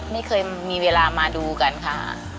ไม่เคยมีเวลามาดูกันค่ะ